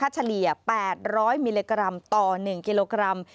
เฉลี่ย๘๐๐มิลลิกรัมต่อ๑กิโลกรัม